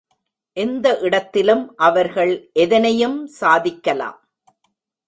எந்த இடத்திலும் அவர்கள் எதனையும் சாதிக்கலாம்.